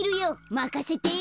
まかせて。